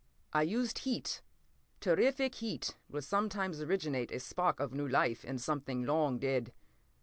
p> "I used heat. Terrific heat will sometimes originate a spark of new life in something long dead.